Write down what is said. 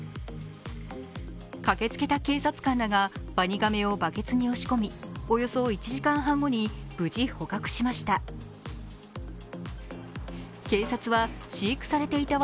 駆けつけた警察官らがワニガメをバケツに押し込みおよそ１時間半後に無事、捕獲しました。